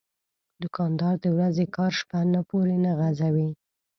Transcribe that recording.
دوکاندار د ورځې کار شپه نه پورې نه غځوي.